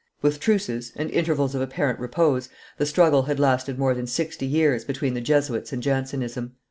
With truces and intervals of apparent repose, the struggle had lasted more than sixty years between the Jesuits and Jansenism.